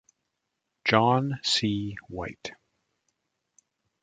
John C. White.